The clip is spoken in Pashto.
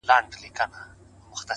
لكه د دوو جنـــــــگ ـ